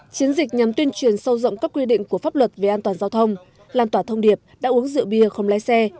chiến dịch nhằm tuyên truyền sâu rộng các quy định của pháp luật về an toàn giao thông lan tỏa thông điệp đã uống rượu bia không lái xe